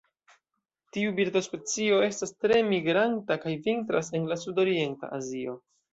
Tiu birdospecio estas tre migranta kaj vintras en sudorienta Azio.